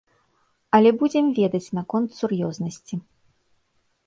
Але будзем ведаць наконт сур'ёзнасці.